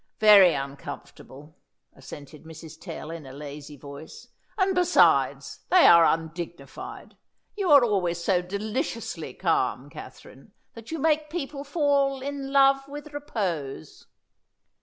"Very uncomfortable," assented Mrs. Tell in a lazy voice. "And, besides, they are undignified. You are always so deliciously calm, Katherine, that you make people fall in love with repose."